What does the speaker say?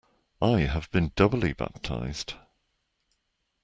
I have been doubly baptized.